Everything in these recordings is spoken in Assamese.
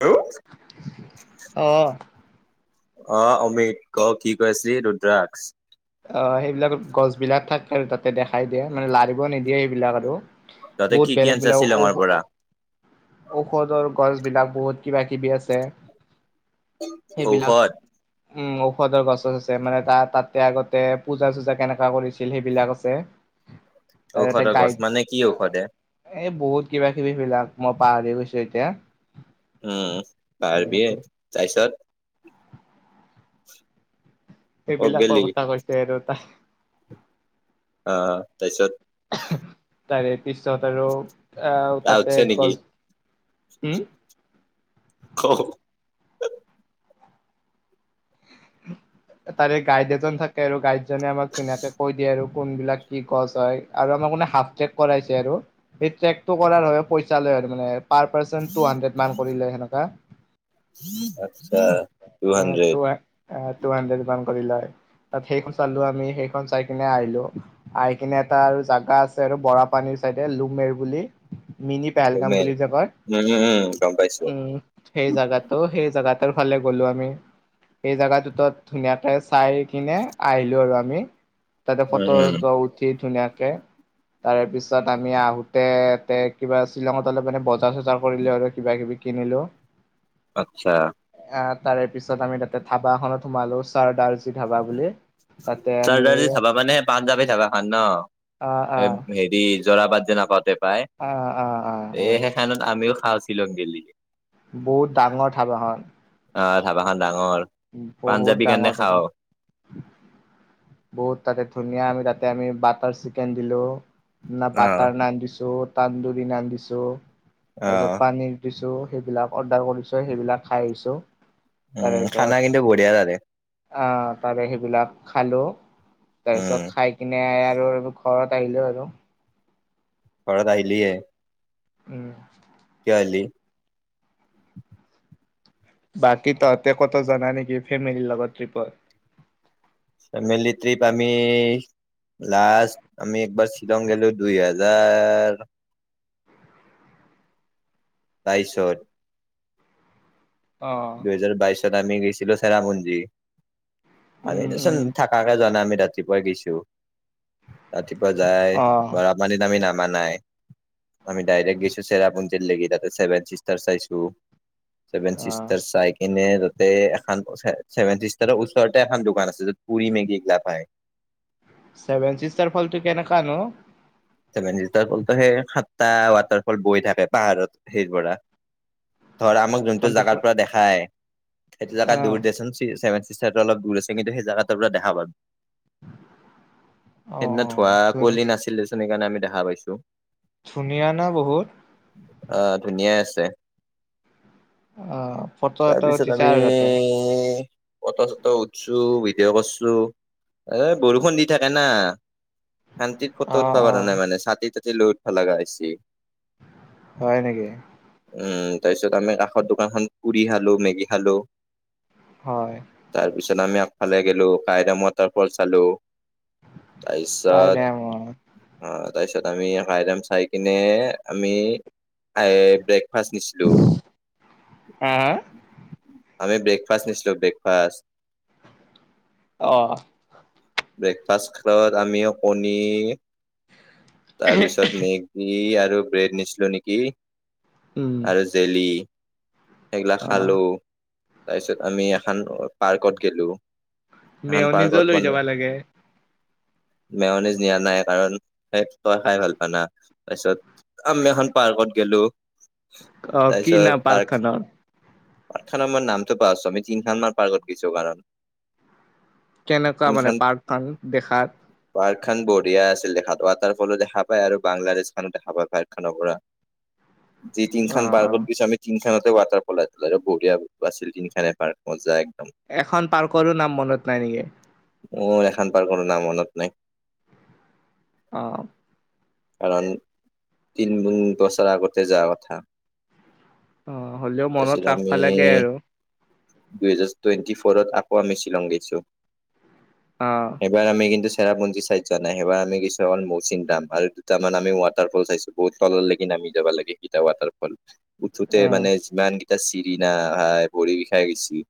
[unintelligible] অ অহ, অমিত ক কি কৈ আছিলি ৰুদ্ৰাক্স অহ, সেইবিলাকত গছ বিলাক থাক আৰু তাতে দেখাই দিয়ে। মানে লাৰিব নিদিয়ে সেইবিলাক আৰু তহঁতে বহুত কি কি বেলেগ - আনিছা বেলেগ ঔ শ্বিলঙৰ পৰা ঔষধৰ গছবিলাক বহুত কিবা -কিবি আছে সেইবিলাক ঔষধ উম, ঔষধৰ গছ - চছ আছে মানে তাত তাতে আগত তে পুজা- চুজা কেনেকা কৰিছিল সেইবিলাক আছে। তাৰ তাতে ঔষধৰ গছ গাইড মানে কি ঔষধে এই বহুত কিবা- কিবি বিলাক মই পাহৰি গৈছো এতিয়া। উম, উ পাহাৰবিয়ে তাছত ক'ত হেইবিলাকৰ গেলি কথা কৈছে আৰু অ', টাইছত? তাৰে পিছত আৰু আহ তাতে আউটছে গছ নেকি হম ক [inaudible] তাৰে গাইড এজন থাকে আৰু গাইডজনে আমাক ধুনীয়াকে কৈ দিয়ে আৰু কোনবিলাক কি গছ হয় আৰু আম মে হাফ ট্ৰেক কৰাইছে আৰু সেই ট্ৰেক টো কৰাৰ হয় পইচা লয় আৰু মানে। পাৰ পাৰ্চন টু হাণ্ড্ৰেড মান কৰি লয় সেনেকা। আতছা। অহ, টু হানড্ৰেদ ৱান কৰি লয়। তাত সেইখন চালো আমি সেইখন চাই কিনে আহিলো আহি কিনে এটা আৰু জাগা আছে আৰু বৰা পানীৰ চাইদে লুমেৰ বুলি মিনি পেহেলগাম ডমেন বুলি যে কয় উম উম উম গম পাইছো উম সেই জাগাটো সেই জাগাত গ'লো আমি এই জোগাটোতত ধুনীয়াকে চাই কিনে আহিলো আৰু আমি। তাতে উম ফটো উম চত উঠি ধুনীয়া কে তাৰে পিছত আমি আহোতে তে কিবা শ্বিলঙত অলপ মানে বজ বজাৰ চজাৰ কৰিলো আৰু কিবা- কিবি কিনিলো আচ্ছা আহ তাৰে পিছত আমি তাতে ধাবাখনত সোমালো চাৰ দালজি ধাবা বুলি। তাতে আমি চাৰটাৰ য চাবা মানে পাঁচ যাবি থাবা এ খখন ন। আহ আহ এ হেৰি জৰা পাত যে নাপাওঁতে পাই আহ আহ আহ এই আহ সেইখনণত আমিও খাচ। শিলং দিলি। বহুত ডাঙৰ ধাবাখন। অ ধাবাখন। ডাঙৰ বহুত পাঞ্জাৱী কাৰণে ডাঙৰ দুটা খাওঁ বহুত তাতে ধুনীয়া আমি তা [unintelligible] আমি বাটাৰ চিকেন দিলো ন অ বাটাৰ নান দিছো। তানদুৰনা দিছো তাৰ অ পিছত পানীৰ দিছো। সেইবিলাক অৰ্ডাৰ কৰিছো সেইবিলাক খাই আহিছো। তাৰে উম পিছত খানা কিন্তু বঢ়িয়া তাৰে আহ তাৰ সেইবিলাক খালোঁ উম, তাৰপিছত খাই কিনে ঘৰত আহিলো আৰু ঘৰত আহিলীয়ে উম লি [unintelligible] বাকী তহঁতে কত জা নেকি ফেমিলিৰ লগত ট্ৰিপত ফেমিলি ত্ৰিপ আমি লাষ্ট আমি একবাৰ শ্বিলং গলো দুই হাজাৰ। তাইছত অ দুহেজাৰ বাইশত আমি গৈছিলো চেৰাপুঞ্জী [unintelligible] আম উম উম দেচোন থাকাকে জানা আমি ৰাতিপুৱাই গছো ৰাতিপুৱা যাই অ বৰা পানীত আামি নাম। নাই আমি ডাইৰেক্ট গৈছো চেৰাপুঞ্জীত লগি তাতে ছেভেন চিচটাৰ চাইছো [unintelligible] চেভেন অ চিষ্টাৰ চাই কিনে তে এখনছেভেচিচতাৰৰ ওচৰতে এখন দোকান আছে য'ত পুৰি মেগী এইগিলা হয়। [unintelligible] ছেভেন চিষ্টাৰ ফলটো কেনেকানো। [unintelligible] সেই সাতটা ৱাটাৰফল বৈ থাকে পাহাৰত সেই পৰা ধৰা আমাক যোনটো তহঁতে জাগাৰ পুৰা পৰা দেখাই সেইটো জেগা আহ দূৰ দেচোন চেভেন [unintelligible] অলপ দূৰ আছে কিন্তু সেইজাগাটো পৰা দেখা পালো। অ সেইদিনা ধোৱা অ কোৱলি নাছিলেচোন সেইকাৰণে আমি দেখা পাইছো ধুনিয়ানা বহুত যে [unintelligible] অ ফটো এটা তাৰপিছত উঠিছে আমি আৰু তাতে ফটো চটো উঠছো ভিডিঅ' কৰছো এ বৰষুণ দি থাকে না শান্তিত অ কত উঠবা অ পৰা নাই মানে ছাতি তাতি লৈ উঠবা লগা হৈ হৈছি। হয় নেকি উম তাৰ পিছত আমি কাষৰ দোকানখন পুৰি খালো মেগি খালো হয় তাৰ পিছত আমি আগফালে গলো কাইৰাম ৱাটাৰফল চালো তাই কাই ছত যাম অ তাৰপিছত আমি সাইদম চাই কিনে আমি ব্ৰক ফাঁচ নিছিলোঁ আহ হ আমি ব্ৰেকফাষ্ট নিছিলো ব্ৰেকফাষ্ট অ ব্ৰেকফাষ্ট খেলত আমি কণী তাৰপিছত মেগী আৰু ব্ৰেড নিছিলোঁ নেকি উম আৰু জেলি সেইগিলা অ খালো তাৰপিছত আমি এখন পাৰ্কত গেলো ধান মেয়নিজো পাৰ্কত লৈ মানে যাবা লাগে মেৰনিজ নিয়া নাই কাৰণেই তই খাই ভাল পোৱা না তাৰপিছত আমি এখন পাৰ্কত গলো অ কি নাম তাৰপিছত পাৰ্ক পাৰ্কখনৰ পাৰখা নাম্বৰ নামটো পোৱাছো আমি চমিটিংখানমাৰ পাৰ্কত গৈছো কাৰণ কেনেকুৱা মানে তিনখান পাৰ্থান দেখাত পাৰ্ক খান বঢ়িয়া আছিল দেখা তাৰ ৱাটাৰফলো দেখা পায় আৰু বাংলাদেশ খান দেখা পায় পাইথানৰ পৰা উ যি তিন খান পাৰ্কত দিছো আমি তিনি খানাতে ৱাটাৰ পলাই তলাই আৰু বঢ়িয়া বাছিল টতিখানে পাৰ্ মজাক এখন পাৰ্কৰো নাম মনত নাই নেকি মোৰ এখন পাৰ্কৰো নাম মনত নাই। আহ কাৰণ তিনমুং প্ৰচাৰ আগতে যাৰ কথা অ হ'লেও তাৰপিছত মনত ৰাস আমি পালেগে আৰু দুহেজাৰ টুৱেণ্টি ফৰত আকৌ আমি শ্বিলং গৈছো অ এবাৰ আমি কিন্তু চেৰাপঞ্জিাইজ নাই সেৱাৰ আমি কিছুমান মৌচিন দাম আৰু দুটামান আমি ৱাটাৰফল চাইছো বহুত তলৰ লৈকে নামি মি যাব লাগে স ৱাটাৰ ফল উঠোতে অ মানে ক চিৰি ন ভাই পৰি বিষাই গৈছি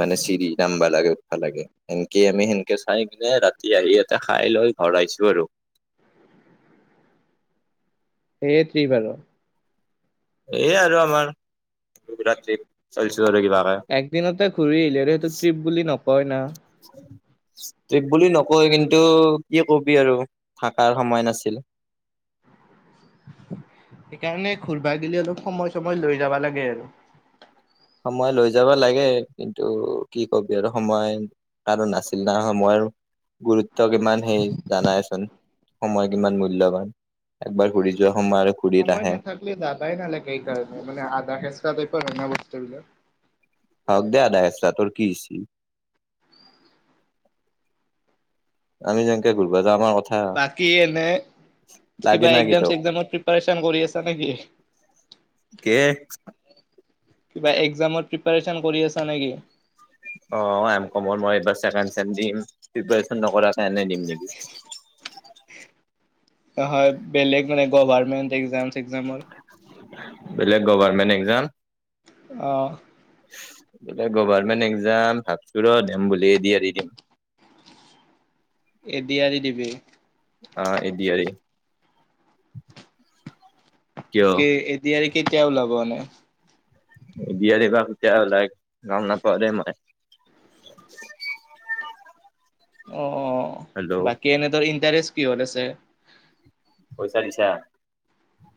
মানে চিৰি ৰাামবা লাগে উঠা লাগে সেনকে আমি সেনকে চাই কিনে ৰাতি আহি ইয়াতে খাই লঘ পৰাইছো আৰু সেয়ে তিবাৰ এই আৰু আমাৰ ৰাতি চয়ছ একদিনতে ঘূৰি আহলেও হেতু ট্ৰিপ বুলি নকয় ন ট্ৰিপ বুলি নকয় কিন্তু কি কবি আৰু থকাৰ সময় নাছিল [unintelligible] সেইকাৰণে ঘোৰবা গিলি অলপ সময় সময় লৈ যাবা লাগে আৰু সময় লৈ যাব লাগে কিন্তু কি কবি আৰু সময় কাৰো নাছিল ন সময়ৰ গুৰুত্ব কিমান সেই জানাইচোন সময় কিমান মূল্যৱান একবাৰ ঘুৰি যোৱা সময় আৰু ঘূৰি সময় নাহে নাথাকিলে যাবাই নালাগে কাৰণে মানে আধা সেচ ৰঙা বস্তু [unintelligible] হ ক দে [unintelligible] তোৰ কিছি আমি যেনেকে ঘূৰিবা যা না বাকি এনে লাগি কিবা না কি এক্জাম তোক চগ্জামৰ প্ৰিপাৰচন কৰি আছা নেকি? কে কিবা একজামৰ প্ৰিপচন কৰি আছা নেকি? অ ক মই এইবাৰ ছেকেণ্ডছেম দিম, প্ৰিপিৰেচন নকৰাকে এনে দিম নেকি? উ হয় বেলেগ মানে গভাৰমেণ্ট এক্জাম চগ্জামৰ। বেলেগ গভমেন্ট এক্জাম। আহ বোলে গভাৰমেন্ট এক্জাম ভাবছো ৰ দেম বুলি এ দি এৰি দিম এদিয়াৰি দিবি। অ এদিয়ৰি। কে এদিয়াৰি আৰু কেতিয়া ওলাব এনে। বিয়াৰ বাগ তয়া লাইক গাম ন প দে মই। অ হেল্ল' বাকী এনেতৰ ইণ্টাৰেষ্ট কিহত আছে? পইচা পিছা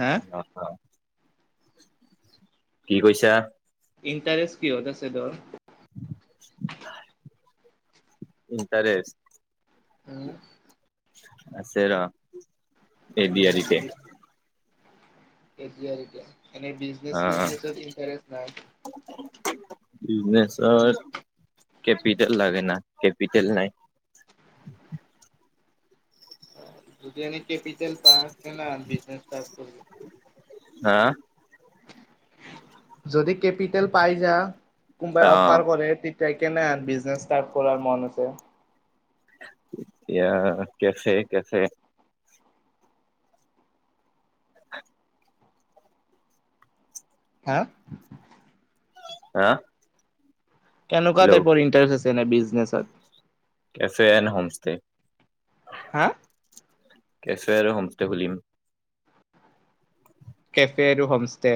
হা অ অ কি কৈছা? ইণ্টাৰেষ্ট কিহত আছে তোৰ। ইণ্টাৰেষ্ট। হ আছে ৰ এই এ ডি আ ৰিতে কেতিয়াতিয়া এনে বিজনেচ অ চিজনেচত ইণ্টৰেষ্ট নাই? বিজনেছত কেপিটেল লাগে না কেপিটেল নাই। [inaudible] যদি এনে কেপিটেল পা আ ন বিজনে ইষ্টাৰ কৰি দে। হা যদি কেপিটেল পাই যা অ কোনবাই অফাৰ এতিয়া কৰে তেতিয়া ত কেনে বিজনেচ ষ্টাৰ্ট কৰাৰ মন আছে। এ কেফে কেফে হা হা কেনেকুৱা হেল্ল' টাইপৰ ইণ্টাৰেষ্ট আছে এনে বিজনেছত? কেফে এণ্ড হমষ্টষ্টে হা কেফে আৰু হোমষ্টে খোলিম। কেফে আৰু হোমষ্টে।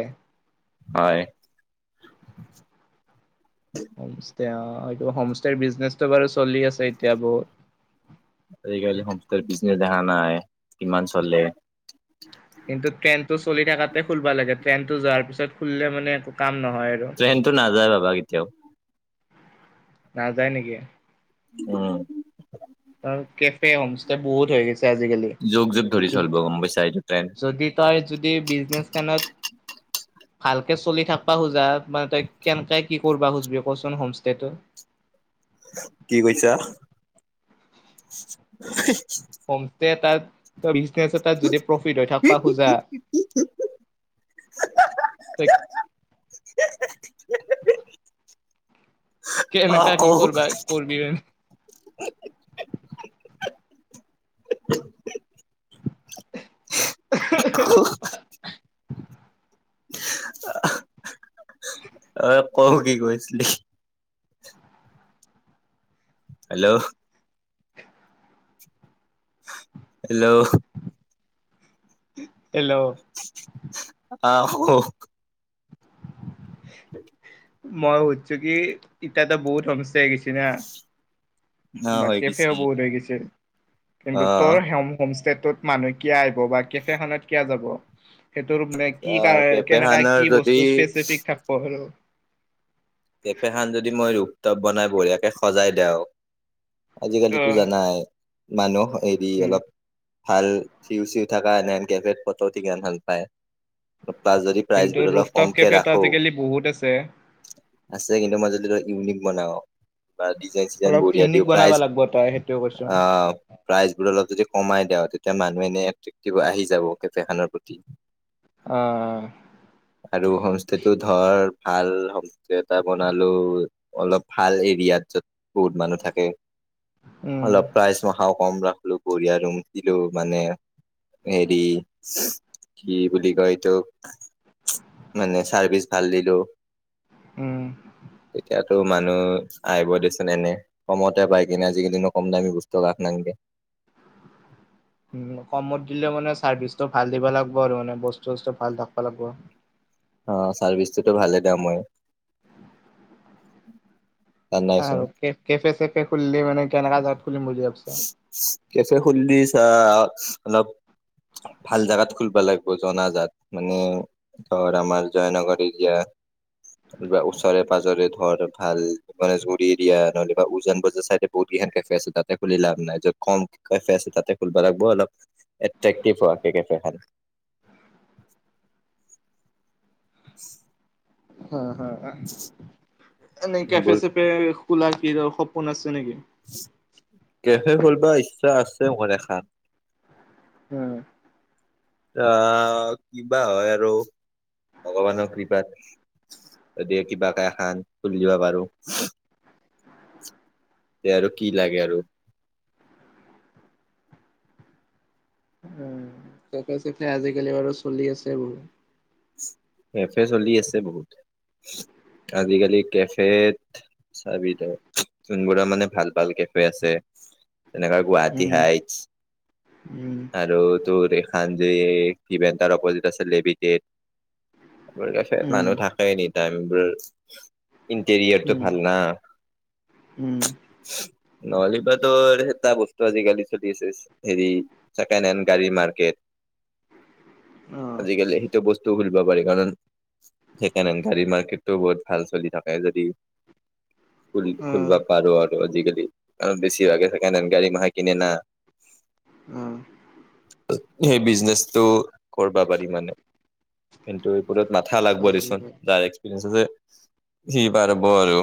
হয়। হমষ্টে অ এইটো হোমষ্টেৰ বিজনেচটো বাৰু চলি আছে এতিয়া বহুত। আজিকালি হোমষ্টে বিজনেছ দেখা নাই কিমান চলে। কিন্তু ট্ৰেইন টো চলি থকাতে খুলবা লাগে ট্ৰেইন টো যোৱাৰ পিছত খুলিলে মানে একো কাম নহয়। আৰু ট্ৰেনটো নাযায় বাবা কেতিয়াও। নাযায় নেকি? উম আৰু কেফে হোমষ্টে বহুত হৈ গৈছে আজিকালি যুগ যুগ ধৰি চলিব গম পাইছা এইটো ট্ৰেইন যদি তই যদি বিজনেচ খানত। ভালকে চলি থাকিবা খোজা মানে তই কেনেকে কি কৰিবা খুজিবি কচোন হোম ষ্টেটো। [inaudible] কি কৈছা? ত বিজনেছ তাত যদি প্ৰফিট হৈ থাকিবা খোজা ত অ কেনেকা কি কৌ কৰৰবা কৰবি [unintelligible] অ কওঁ কি কৰিছিলি? হেল্ল' হেল্ল' হেল্ল' আহ মই সুধিছো কি এতিয়াতো বহুত হোমষ্টে আহি গৈছে না ন বা হৈ কেফেও গৈছি বহুত হৈ গৈছে কিন্তু অ তোৰ হোম হোমষ্টেটোত মানুহ কিয় আহিব বা কেফেখনত কিয় যাব। সেইটোৰ মানে অ কি কাৰ কেফে কেনেকা খানৰ কি যদি বস্তু স্পেচিফিক থাকিব আৰু কেফেখন যদি মই ৰোপটপ বনাই বঢ়িয়াকে সজাই দেওঁ। আজিকালিতো আহ, জানাই মানুহ হেৰি উম অলপ ভাল চিউ চিউ থকা এন কে ফোটো ইমান ভাল পায়। বা যদি কিন্তু প্ৰাইচবোৰ অলপ ৰুফটপ কমকে কেফেটো ৰাখো। আজিকালি বহুত আছে চিনেমাজ ইউনিক বনাওঁ। বা ডিজাইন চিজাইন অলপ বঢ়িয়া ইউনিক দিওঁ বনাব প্ৰাইজ লাগিব তই সেইটোৱে কৈছো অ প্ৰাইজ বোৰ অলপ যদি কমাই দওঁ তেতিয়া মানুহে এনে এট্ৰেক্টিভ আহি যাব কেফেখনৰ প্ৰতি আহ আৰু হোমষ্টেটো ধৰ ভাল হ এটা বনালো অলপ ভাল এৰিয়াত যত বহুত মানুহ থাকে উম অলপ প্ৰাইজ মাখাও কম ৰাখলো বঢ়িয়া ৰুম দিলো মানে হেৰি কি বুলি এইটো মানে চাৰ্ভিছ ভাল দিলো উ তেতিয়াতো মানুহ আহিব দেচোন এনে কমতে পাই কিনে আজিকালিনো কম দামী বস্তু কাক নালগে [unintelligible] কমত দিলে মানে চাৰ্ভিচটো ভাল দিব লাগব আৰু মানে বস্তু চস্তু ভাল থাকব লাগব। অ চাৰ্ভিচটোতো ভালে দাম হয়। আৰু কেফে চেফে খুলিলে মানে কেনেকোৱা জেগাত খুলিম বুলি ভাবিছ। কেফে খুলিছা অলপ ভাল জোগাত খুলব লাগিব জনাজাত মানে ধৰ আমাৰ জয়নগৰ এৰিয়া বা ওচৰে পাঁজৰে ধৰ ভাল গণেশগুৰি এৰিয়া নহ'লেবা উজান বজাৰ চাইডে বহুত ইয়াতে ফেচো তাতে খুলি লাভ নাই যে কম ক ফেচো তাতে খুলিব লাগিব অলপ। এট্ৰেক্টিভ হোৱা কে কেফে খন [unintelligible] উ হা হা নান কেফে চেফে খোলা কি সপোন আছে নেকি? কেফে খোলবা ইচ্ছা আছে মোৰ এখন উম অহ কিবা হয় আৰু ভগৱানৰ কৃপাত দিয়ে কিবা কে এ খান খুলিবা পাৰো এ আৰু কি লাগে আৰু উ চাফা চাফে আজিকালি বাৰু চলি আছে বহুত। কেফে চলি আছে বহুত আজিকালি কেফেত চাবিদা যোনবোৰ মানে ভাল ভাল কেফে আছে, তেনেকা গুৱাহাটী উম হাইটছ উম আৰু তোৰ সান্জ ভিভেণ্টাৰ অপজিট আছে লি উম মিটেড এ ৰ ক উম মানুহ থাকে নি টাইমবোৰ ইণ্টেৰিয়েলটো উম ভাল না। উম। নহলীৰ পাৰা টো ঋঋৎএটা বস্তু আজিকালি চলি আছে, হেৰি, ছেকেণ্ড হেণ্ড গাড়ী মাৰ্কেট। [unintelligible] অ আজি-কালি সেইটো বস্তু উৰ বাবাৰে গাণ, ছেকেণ্ডহেন্দ গাড়ীৰ মাৰ্কেটটো বহুত ভাল চলি থাকে যদি [unintelligible] ঘূৰি অ ফুৰিব পাৰ আৰু অঁ, আজিকালি আ--বেছিভাগে ছেকেণ্ডহেন্দ গাড়ী মাহে কিনে না। অ সেই বিজনেচটো কৰ্‌বা পাৰি মানে। কিন্তু এইবোৰত মাথা লাগ্‌ব পাৰি দেচোন, পাৰি। যাৰ এক্সপিৰিয়েঞ্চ আছে। সি পাৰব আৰু